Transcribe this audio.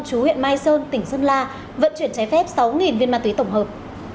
chú huyện mai sơn tỉnh sơn la vận chuyển trái phép sáu viên ma túy tổng hợp